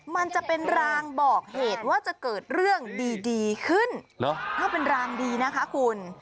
น่าเป็นรางดีนะคะคุณ